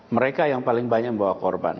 mereka yang paling banyak membawa korban